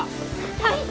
はい！